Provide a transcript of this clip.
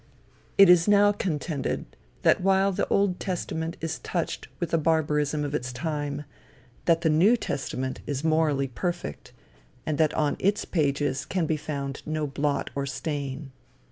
It is now contended that while the Old Testament is touched with the barbarism of its time, that the New Testament is morally perfect, and that on its pages can be found no blot or stain.